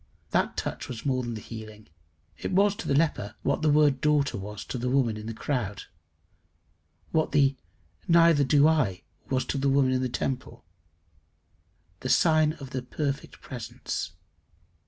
That touch was more than the healing. It was to the leper what the word Daughter was to the woman in the crowd, what the Neither do I was to the woman in the temple the sign of the perfect presence.